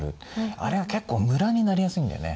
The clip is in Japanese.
あれが結構ムラになりやすいんだよね。